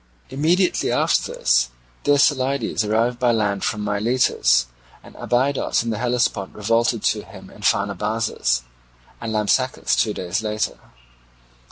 Immediately after this Dercyllidas arrived by land from Miletus; and Abydos in the Hellespont revolted to him and Pharnabazus, and Lampsacus two days later.